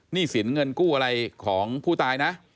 สินเงินกู้อะไรของผู้ตายนะ